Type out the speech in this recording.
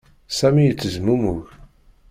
Sami yettezmumug.